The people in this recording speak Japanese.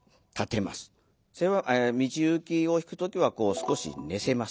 「道行」を弾く時は少し寝せます。